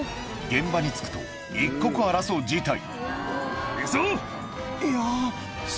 現場に着くと一刻を争う事態